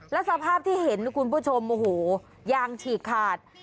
แล้วสภาพที่เห็นคุณผู้ชมโอ้โหยางฉีกขาด